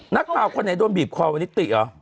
นักข่าวคนไหนโดนบีบคอวันนี้ติเหรอ